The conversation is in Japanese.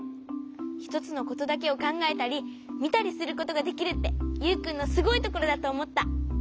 ひとつのことだけをかんがえたりみたりすることができるってユウくんのすごいところだとおもった。